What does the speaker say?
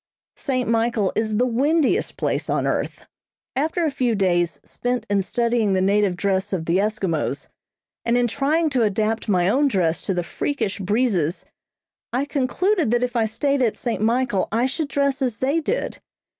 St. Michael is the windiest place on earth. After a few days spent in studying the native dress of the Eskimos, and in trying to adapt my own dress to the freakish breezes I concluded that if I stayed at St. Michael I should dress as they did.